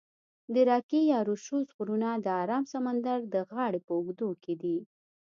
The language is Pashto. د راکي یا روشوز غرونه د آرام سمندر د غاړي په اوږدو کې دي.